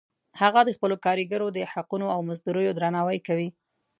هغه د خپلو کاریګرو د حقونو او مزدوریو درناوی کوي